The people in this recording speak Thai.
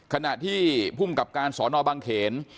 ขณะที่ภูมิกับการสอนอบังเขน